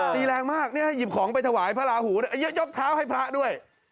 ตีแรงมากหยิบของไปถวายพระราหูยกเท้าให้พระด้วย